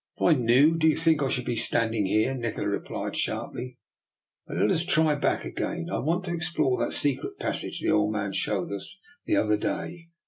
" If I knew, do you think I should be standing here? " Nikola replied sharply. " But let us try back again. I want to ex plore that secret passage the old man showed us the other day.